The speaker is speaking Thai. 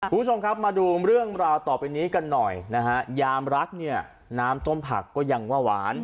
คุณผู้ชมครับมาดูเรื่องราวต่อไปนี้กันหน่อยนะฮะยามรักเนี่ยน้ำต้มผักก็ยังว่าหวาน